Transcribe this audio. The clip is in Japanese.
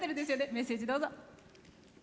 メッセージ、どうぞ。